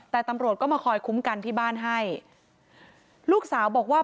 แต่ตำรวจก็มาคอยคุ้มกันที่บ้านให้ลูกสาวบอกว่า